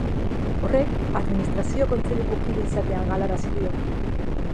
Horrek administrazio kontseiluko kide izatea galarazi dio.